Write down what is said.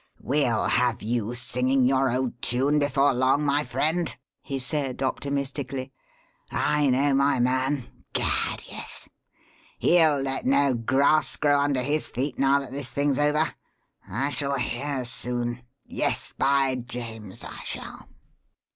"We'll have you singing your old tune before long, my friend," he said, optimistically. "I know my man gad, yes! He'll let no grass grow under his feet now that this thing's over. I shall hear soon yes, by James! I shall."